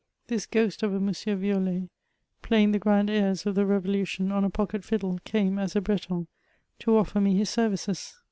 This ghost of a M. Violet, playing the grand airs of the revolution on a pocket fiddle, came, as a Breton, to offer me his services.